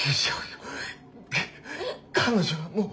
ぐっ彼女はもう。